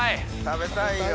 食べたいよ。